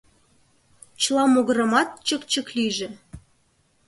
Чыла могырымат чык-чык лийже.